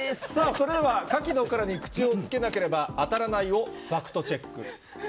それでは、カキの殻に口をつけなければあたらないをファクトチェック。